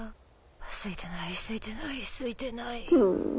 すいてないすいてないすいてない。